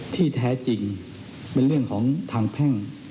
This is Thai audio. ที่แท้จริงเป็นเรื่องของทางแพ่ง